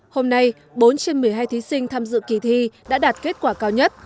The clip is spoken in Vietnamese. hôm nay bốn trên một mươi hai thí sinh tham dự kỳ thi đã đạt kết quả cao nhất